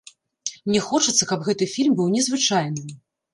Мне хочацца, каб гэты фільм быў незвычайным.